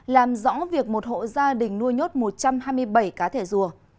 làm rõ việc một hộ gia đình nuôi nhốt một trăm hai mươi bảy cá thể rùa